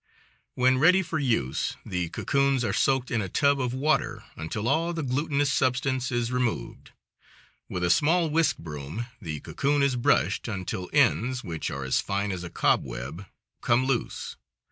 When ready for use the cocoons are soaked in a tub of water until all the glutinous substance is removed. With a small whisk broom the cocoon is brushed until ends, which are as fine as a cobweb, come loose.